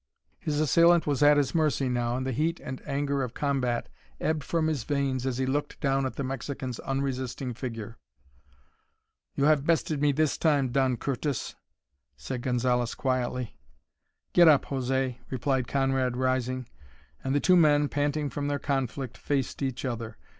His assailant was at his mercy now and the heat and anger of combat ebbed from his veins as he looked down at the Mexican's unresisting figure. "You have bested me this time, Don Curtis," said Gonzalez quietly. "Get up, José," replied Conrad rising, and the two men, panting from their conflict, faced each other.